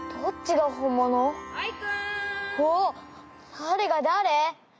だれがだれ？